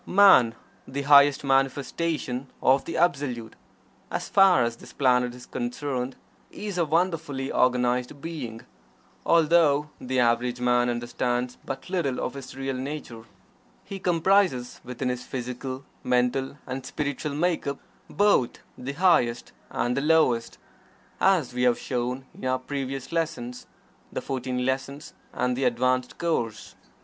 Man, the highest manifestation of the Absolute, as far as this planet is concerned, is a wonderfully organized being although the average man understands but little of his real nature. He comprises within his physical, mental and spiritual make up both the highest and the lowest, as we have shown in our previous lessons (the "Fourteen Lessons" and the "Advanced Course").